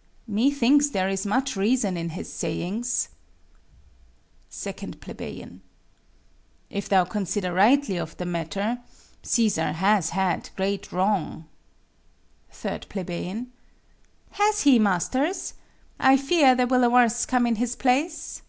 _ Methinks there is much reason in his sayings. 2 Ple. If thou consider rightly of the matter, Cæsar has had great wrong. 3 Ple. Has he, masters? I fear there will a worse come in his place.